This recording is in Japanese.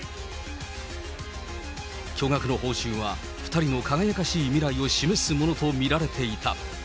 巨額の報酬は２人の輝かしい未来を示すものと見られていた。